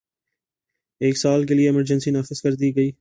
ایک سال کے لیے ایمرجنسی نافذ کر دی گئی